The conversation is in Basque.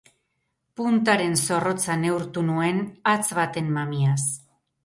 Puntaren zorrotza neurtu nuen hatz baten mamiaz.